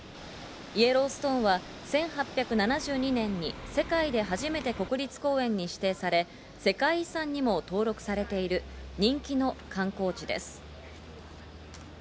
イエローストーンは１８７２年に世界で初めて国立公園に指定され、世界遺産にも登録されている人気の観光地です。